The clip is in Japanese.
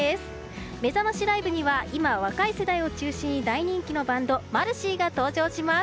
めざましライブには今若い世代を中心に大人気のバンドマルシィが登場します！